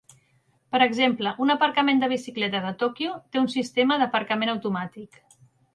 Per exemple, un aparcament de bicicletes a Tokyo té un sistema d"aparcament automàtic.